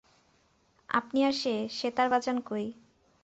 আপনি আর সে সেতার বাজান কই?